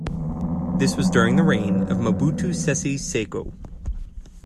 This was during the reign of Mobutu Sese Seko.